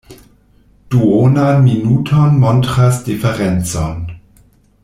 Duonan minuton montras diferencon.